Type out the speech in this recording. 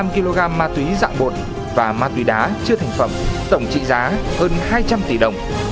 năm kg ma túy dạng bột và ma túy đá chưa thành phẩm tổng trị giá hơn hai trăm linh tỷ đồng